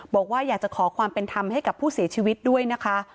บอกว่าอยากจะขอความเป็นธรรมให้กับผู้เสียชีวิตด้วยนะคะ